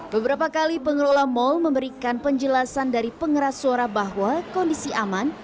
beberapa kali pengelola mal memberikan penjelasan dari pengeras suara bahwa kondisi aman